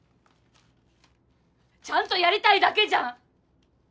ちゃんとやりたいだけじゃん。